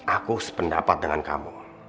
aku sependapat dengan kamu